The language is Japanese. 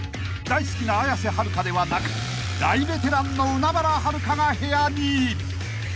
［大好きな綾瀬はるかではなく大ベテランの海原はるかが部屋に］